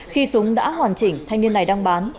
khi súng đã hoàn chỉnh thanh niên này đang bán